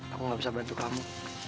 aku gak bisa bantu kamu